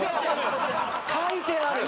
書いてある！